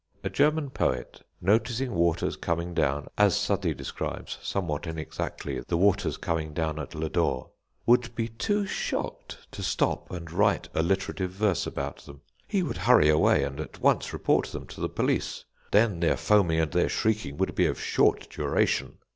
A German poet, noticing waters coming down as Southey describes, somewhat inexactly, the waters coming down at Lodore, would be too shocked to stop and write alliterative verse about them. He would hurry away, and at once report them to the police. Then their foaming and their shrieking would be of short duration.